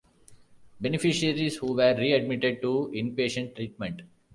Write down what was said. Beneficiaries who were readmitted to inpatient treatment.